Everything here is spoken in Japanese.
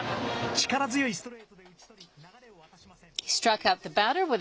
力強いストレートで打ち取り、流れを渡しません。